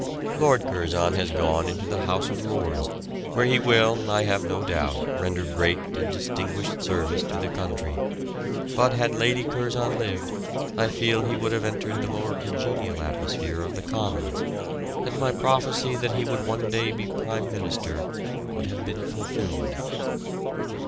Lord Curzon has gone into the House of Lords, where he will, I have no doubt, render great and distinguished service to the country; but had Lady Curzon lived I feel he would have entered the more congenial atmosphere of the Commons, and my prophecy that he would one day be Prime Minister would have been fulfilled.